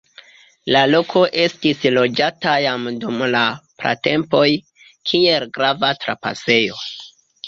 La loko estis loĝata jam dum la pratempoj, kiel grava trapasejo.